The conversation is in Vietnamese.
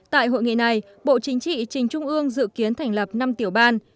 tại hội nghị này bộ chính trị trình trung ương dự kiến thành lập năm tiểu ban